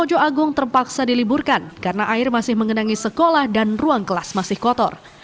mojo agung terpaksa diliburkan karena air masih mengenangi sekolah dan ruang kelas masih kotor